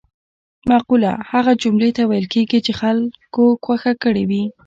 مقوله هغه جملې ته ویل کیږي چې خلکو خوښه کړې وي